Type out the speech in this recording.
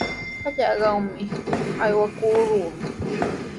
Hallqayaqmi aywakurquu.